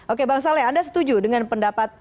oke bang saleh anda setuju dengan pendapat